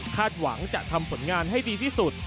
หวังจะทำผลงานให้ดีที่สุด